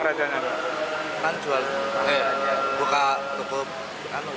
kejutan buat kita lah